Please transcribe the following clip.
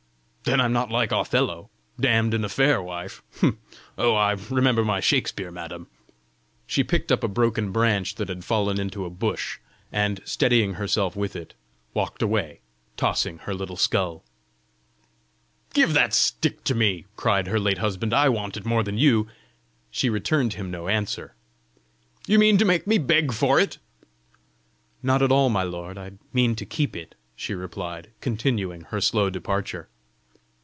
"Then I'm not like Othello, damned in a fair wife! Oh, I remember my Shakspeare, madam!" She picked up a broken branch that had fallen into a bush, and steadying herself with it, walked away, tossing her little skull. "Give that stick to me," cried her late husband; "I want it more than you." She returned him no answer. "You mean to make me beg for it?" "Not at all, my lord. I mean to keep it," she replied, continuing her slow departure.